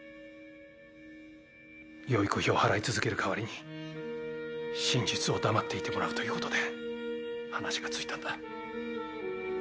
養育費を払い続ける代わりに真実を黙っていてもらうということで話がついたんだ。